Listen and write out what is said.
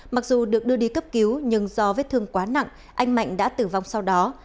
mặc dù được đưa đi cấp cứu nhưng do vết thương quá nặng anh mạnh đã tử vong sau đó